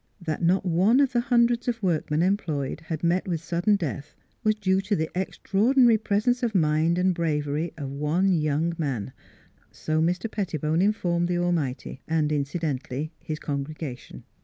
That not one of the hundreds of workmen employed had met with sudden death was due to the extraordinary presence of mind and bravery of one young man so Mr. Pettibone informed the Almighty, and incidentally his congregation.